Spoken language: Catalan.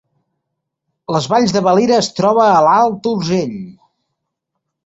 Les Valls de Valira es troba a l’Alt Urgell